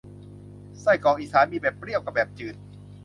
ไส้กรอกอีสานมีแบบเปรี้ยวกับแบบจืด